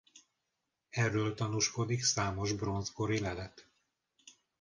Erről tanúskodik számos bronzkori lelet.